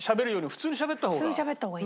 普通にしゃべった方が。